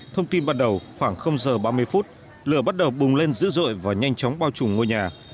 thông tin ban đầu khoảng giờ ba mươi phút lửa bắt đầu bùng lên dữ dội và nhanh chóng bao trùm ngôi nhà